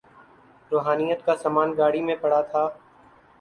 روحانیت کا سامان گاڑی میں پڑا تھا۔